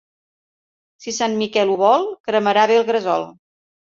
Si Sant Miquel ho vol, cremarà bé el gresol.